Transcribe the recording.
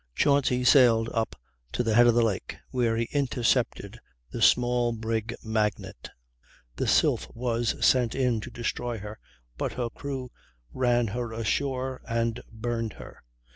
Chauncy sailed up to the head of the lake, where he intercepted the small brig Magnet. The Sylph was sent in to destroy her, but her crew ran her ashore and burned her.